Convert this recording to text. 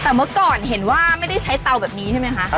แต่เมื่อก่อนเห็นว่าไม่ได้ใช้เตาแบบนี้ใช่ไหมคะ